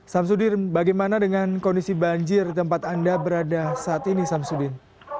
samsudin bagaimana dengan kondisi banjir di tempat anda berada saat ini samsudin